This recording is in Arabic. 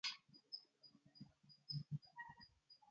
يا أيها الرشأ الذي قد عذرا